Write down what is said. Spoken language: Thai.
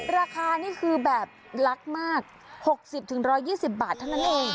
ราคานี่คือแบบลักมาก๖๐๑๒๐บาทเท่านั้นเอง